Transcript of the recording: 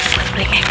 buat beli makeup